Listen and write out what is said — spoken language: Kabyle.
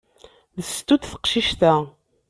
D sstut teqcict-a!